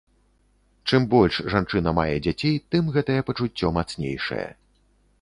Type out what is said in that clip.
Чым больш жанчына мае дзяцей, тым гэтае пачуццё мацнейшае.